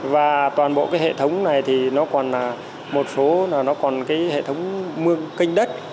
và toàn bộ cái hệ thống này thì nó còn là một số là nó còn cái hệ thống mương kinh đất